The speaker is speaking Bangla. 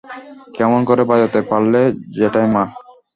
কেমন করে বাজাতে পারলে জ্যাঠাইমা?